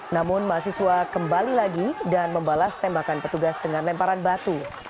namun mahasiswa kembali lagi dan membalas tembakan petugas dengan lemparan batu